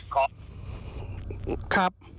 ก่อนครับ